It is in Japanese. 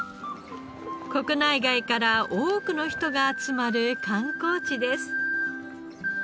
国内外から多くの人が集まる観光地です。